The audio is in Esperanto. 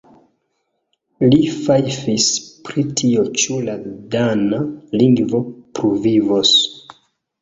Li fajfis pri tio ĉu la dana lingvo pluvivos.